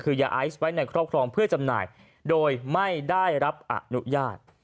คือยาไอซ์ไว้ในครอบครองเพื่อจำหน่ายโดยไม่ได้รับอนุญาต